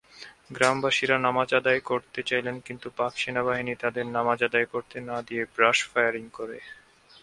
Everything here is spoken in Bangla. গ্রামবাসীরা নামাজ আদায় করতে চাইলেন কিন্তু পাক সেনাবাহিনী তাদের নামাজ আদায় করতে না দিয়ে ব্রাশ ফায়ারিং করে।